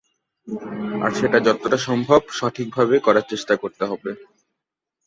আর সেটা যতটা সম্ভব সঠিকভাবে করার চেষ্টা করতে হবে।